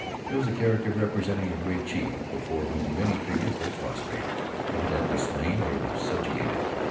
There was a character representing a great chief, before whom many figures lay prostrate, evidently slain or subjugated.